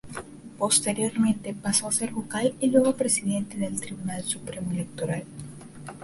Posteriormente pasó a ser vocal, y luego presidente, del Tribunal Supremo Electoral.